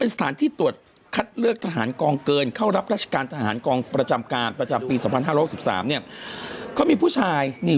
มันหอมกระหล่องกันไปหมดเลยสวบร้า